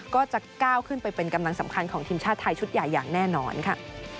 ก็จะก้าวขึ้นไปเป็นกำลังสำคัญของทีมชาติไทยชุดใหญ่อย่างแน่นอนค่ะ